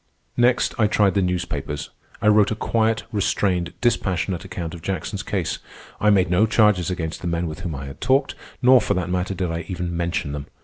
Next I tried the newspapers. I wrote a quiet, restrained, dispassionate account of Jackson's case. I made no charges against the men with whom I had talked, nor, for that matter, did I even mention them.